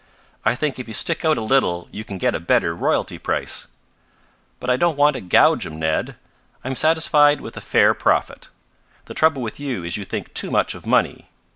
"I think if you stick out a little you can get a better royalty price." "But I don't want to gouge 'em, Ned. I'm satisfied with a fair profit. The trouble with you is you think too much of money.